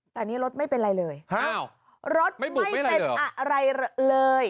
แต่นี่รถไม่เป็นไรเลยรถไม่เป็นอะไรเลย